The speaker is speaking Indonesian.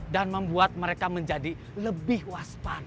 dan membuat mereka menjadi lebih waspat